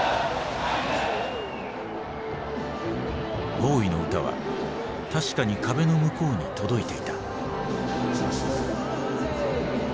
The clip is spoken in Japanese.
ボウイの歌は確かに壁の向こうに届いていた。